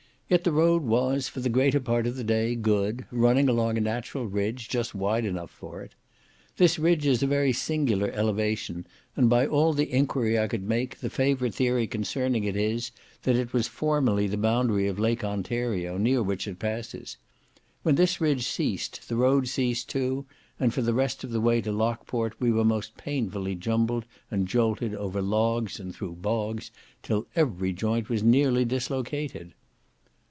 Yet the road was, for the greater part of the day, good, running along a natural ridge, just wide enough for it. This ridge is a very singular elevation, and, by all the enquiry I could make, the favourite theory concerning it is, that it was formerly the boundary of Lake Ontario, near which it passes. When this ridge ceased, the road ceased too, and for the rest of the way to Lockport, we were most painfully jumbled and jolted over logs and through bogs, till every joint was nearly dislocated.